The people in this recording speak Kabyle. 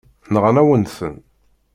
Nɣan-awen-ten.